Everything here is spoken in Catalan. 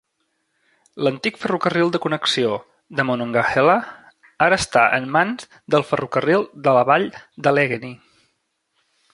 L'antic Ferrocarril de Connexió de Monongahela ara està en mans del Ferrocarril de la Vall d'Allegheny.